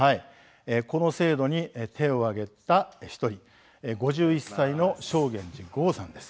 この制度に手を挙げた１人５１歳の正源司剛さんです。